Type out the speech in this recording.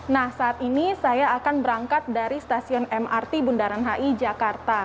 nah saat ini saya akan berangkat dari stasiun mrt bundaran hi jakarta